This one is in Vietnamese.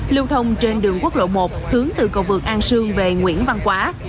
lưu thông trên đường quốc lộ một hướng từ cầu vượt an sương về nguyễn văn quá